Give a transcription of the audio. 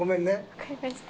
わかりました。